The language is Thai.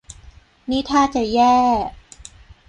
นี่ท่าจะแย่